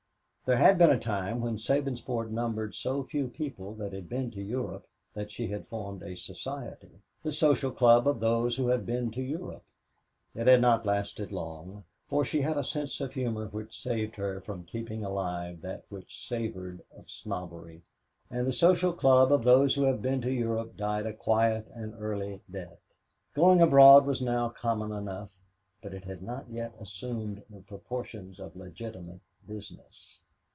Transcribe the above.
There had been a time when Sabinsport numbered so few people that had been to Europe that she had formed a society, "The Social Club of Those Who Have Been to Europe." It had not lasted long, for she had a sense of humor which saved her from keeping alive that which savored of snobbery, and the Social Club of Those Who Have Been to Europe died a quiet and early death. Going abroad was now common enough, but it had not yet assumed the proportions of legitimate business.